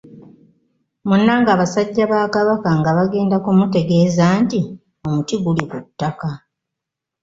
Munnange abasajja bakabaka nga bagenda bamutegeeza nti omuti guli kuttaka.